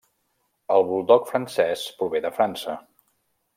El buldog francès prové de França.